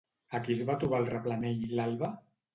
A qui es va trobar al replanell l'Alba?